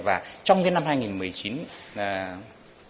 và trong cái năm hai nghìn một mươi chín